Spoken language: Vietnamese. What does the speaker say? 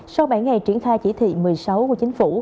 sau bảy ngày triển khai chỉ thị một mươi sáu của chính phủ